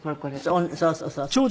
そうそうそうそう。